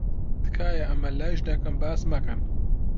تکایە ئەمە لای ژنەکەم باس مەکەن.